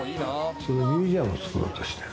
それのミュージアムを作ろうとしている。